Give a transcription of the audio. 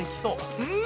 うん。